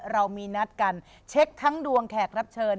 เรามีนัดกันเช็คทั้งดวงแขกรับเชิญ